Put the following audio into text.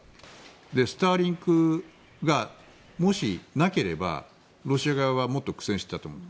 スターリンクがもし、なければロシア側はもっと苦戦してたと思う。